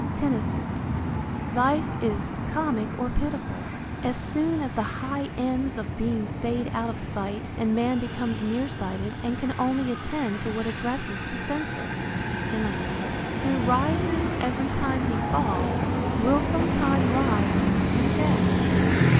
Tennyson. Life is comic or pitiful, as soon as the high ends of being fade out of sight and man becomes near sighted and can only attend to what addresses the senses Emerson. Who rises every time he falls Will sometime rise to stay.